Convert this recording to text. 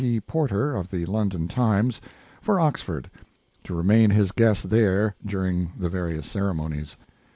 Porter, of the London Times, for Oxford, to remain his guest there during the various ceremonies.